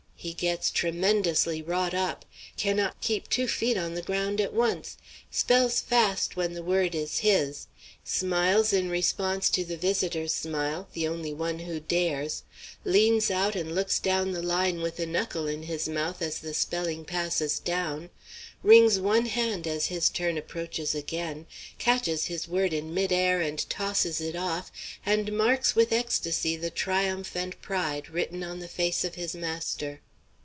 He gets tremendously wrought up; cannot keep two feet on the ground at once; spells fast when the word is his; smiles in response to the visitor's smile, the only one who dares; leans out and looks down the line with a knuckle in his mouth as the spelling passes down; wrings one hand as his turn approaches again; catches his word in mid air and tosses it off, and marks with ecstasy the triumph and pride written on the face of his master.